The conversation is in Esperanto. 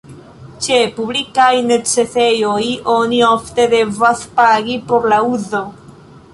Ĉe publikaj necesejoj oni ofte devas pagi por la uzo.